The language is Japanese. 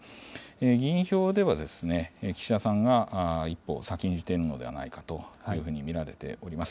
議員票では、岸田さんが一歩、先んじているのではないかと見られております。